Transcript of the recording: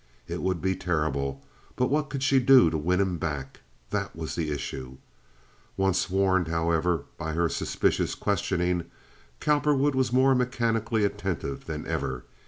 It would be terrible, but what could she do to win him back? That was the issue. Once warned, however, by her suspicious questioning, Cowperwood was more mechanically attentive than ever.